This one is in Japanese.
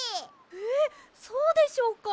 えそうでしょうか？